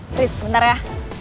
tris bentar ya